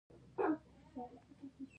له امان الملک څخه اووه لس زامن پاتې شول.